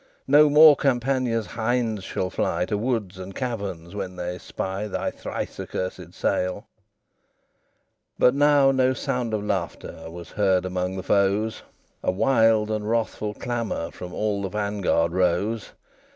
No more Campania's hinds shall fly To woods and caverns when they spy Thy thrice accursed sail." XLI But now no sound of laughter Was heard among the foes. A wild and wrathful clamor From all the vanguard rose.